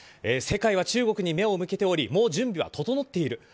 世界は中国に目を向けておりもう準備は整っている。